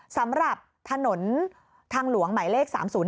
สำหรับถนนทางหลวงหมายเลข๓๐๔